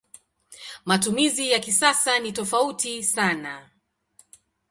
Matumizi ya kisasa ni tofauti sana.